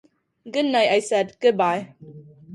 "Good night," I said, "Good-bye."